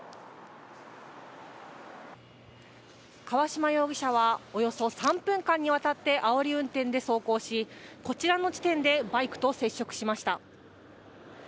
川島容疑者はおよそ３分間にわたってあおり運転で走行し、こちらの地点でバイクに接触しました。